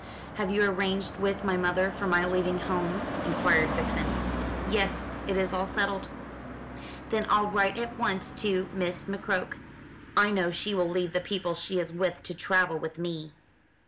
"Have you arranged with my mother for my leaving home?" inquired Vixen. "Yes, it is all settled." "Then I'll write at once to Miss McCroke. I know she will leave the people she is with to travel with me."